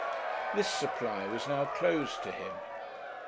This supply was now closed to him.